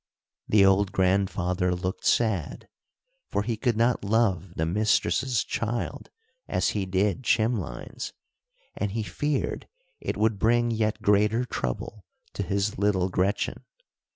The old grandfather looked sad, for he could not love the mistress's child as he did Chimlein's, and he feared it would bring yet greater trouble to his little Gretchen.